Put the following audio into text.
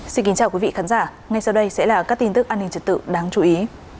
xin kính chào quý vị khán giả ngay sau đây sẽ là các tin tức an ninh trật tự đáng chú ý